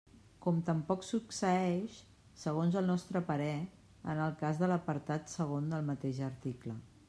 Com tampoc succeeix, segons el nostre parer, en el cas de l'apartat segon del mateix article.